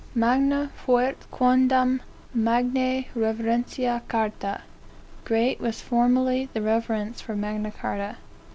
"Magna fuit quondam magnae reverentia chartae." (Great was formerly the reverence for Magna Carta.)